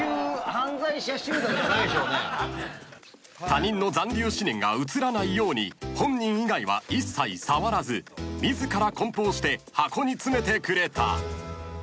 ［他人の残留思念がうつらないように本人以外は一切触らず自ら梱包して箱に詰めてくれた］